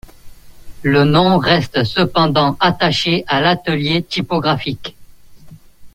Le nom reste cependant attaché à l’atelier typographique.